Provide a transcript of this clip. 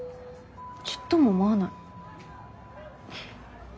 ちっとも思わない。